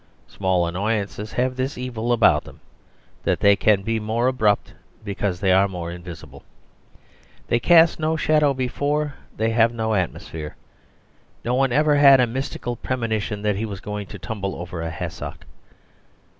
Small annoyances have this evil about them, that they can be more abrupt because they are more invisible; they cast no shadow before, they have no atmosphere. No one ever had a mystical premonition that he was going to tumble over a hassock.